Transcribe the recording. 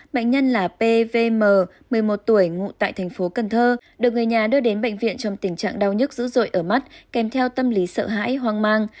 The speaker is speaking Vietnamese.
bệnh nhân là pvm một mươi một tuổi ngụ tại thành phố cần thơ được người nhà đưa đến bệnh viện trong tình trạng đau nhức dữ dội ở mắt kèm theo tâm lý sợ hãi hoang mang